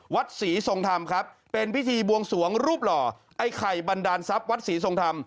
วัดศรีทรงธรรมครับเป็นพิธีบวงสวงรูปหล่อไอ้ไข่บันดาลทรัพย์วัดศรีทรงธรรม